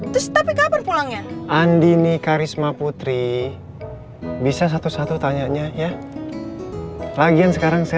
terus tapi kabar pulangnya andini karisma putri bisa satu satu tanyanya ya lagian sekarang saya